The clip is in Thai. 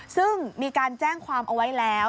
ซึ่งมีการแจ้งความเอาไว้แล้ว